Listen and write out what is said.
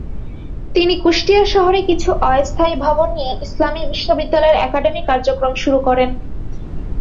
তিনি কুষ্টিয়া শহরে কিছু অস্থায়ী ভবন নিয়ে ইসলামী বিশ্ববিদ্যালয়ের একাডেমিক কার্যক্রম শুরু করেন।